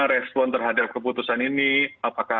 respon terhadap keputusan ini apakah